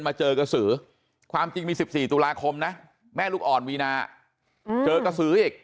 มาเจอกระสือความจริงมี๑๔ตุลาคมนะแม่ลูกอ่อนวีนาเจอกระสืออีก